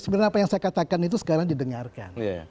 kenapa yang saya katakan itu sekarang didengarkan